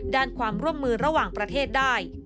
ด้านความร่วมมือระหว่างประเทศได้